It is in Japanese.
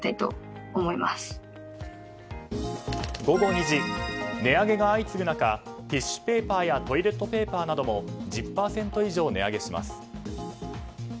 午後２時、値上げが相次ぐ中ティッシュぺーパ−やトイレットペーパーなども１０％以上値上げします。